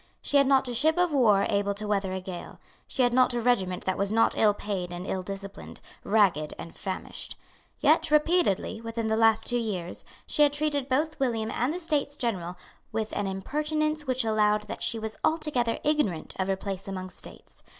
She had not a ship of war able to weather a gale. She had not a regiment that was not ill paid and ill disciplined, ragged and famished. Yet repeatedly, within the last two years, she had treated both William and the States General with an impertinence which showed that she was altogether ignorant of her place among states.